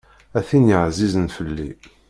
A tin εzizen fell-i.